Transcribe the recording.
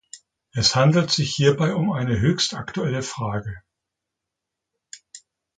Es handelt sich hierbei um eine höchst aktuelle Frage.